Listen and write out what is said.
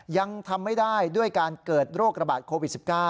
ยังทำไม่ได้ด้วยการเกิดโรคระบาดโควิด๑๙